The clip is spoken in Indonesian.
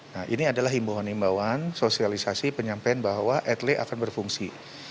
nah ini adalah himbawan himbawan sosialisasi penyampaian bahwa edle akan berfungsi